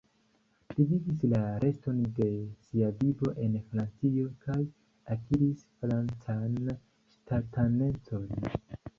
Li vivis la reston de sia vivo en Francio kaj akiris francan ŝtatanecon.